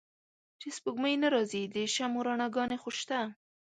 چې سپوږمۍ نه را ځي د شمعو رڼاګا نې خوشته